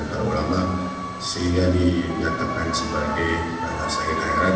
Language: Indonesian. bagi para ulama sehingga dinyatakan sebagai sakit akhirat